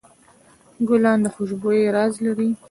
ګلان د خوشبویۍ راز لري.